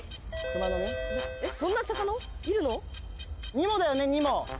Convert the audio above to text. ニモだよねニモ。